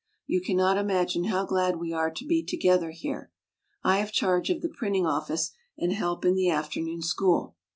You can not imagine how glad we are to be to gether here. I have charge of the printing office and help in the afternoon school.